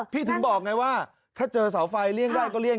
ถึงบอกไงว่าถ้าเจอเสาไฟเลี่ยงได้ก็เลี่ย